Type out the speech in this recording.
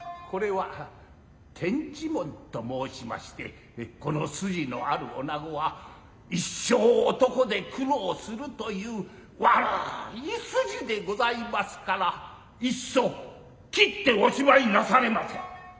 これは「てんちもん」と申しましてこの筋のある女子は一生男で苦労するという悪い筋でございますからいっそ切っておしまいなされませ。